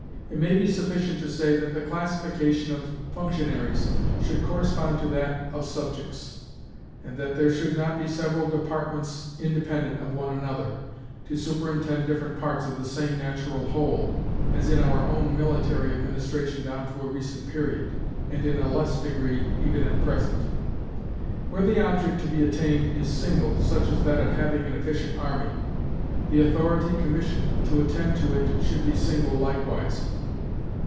It may be sufficient to say that the classification of functionaries should correspond to that of subjects, and that there should not be several departments independent of one another, to superintend different parts of the same natural whole, as in our own military administration down to a recent period, and in a less degree even at present. Where the object to be attained is single (such as that of having an efficient army), the authority commissioned to attend to it should be single likewise.